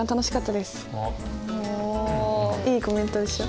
いいコメントでしょ？